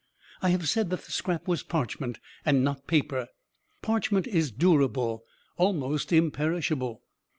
"I have said that the scrap was parchment, and not paper. Parchment is durable almost imperishable.